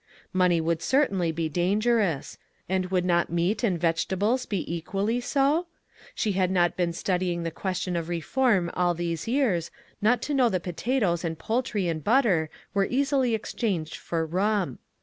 Money would certainly be dangerous; and would not meat and vegetables be equally so? She had not been studying the question of reform all these years not to know that potatoes and poul try and butter were easily exchanged for rum.